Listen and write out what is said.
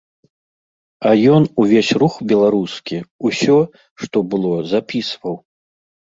А ён увесь рух беларускі, усё, што было, запісваў.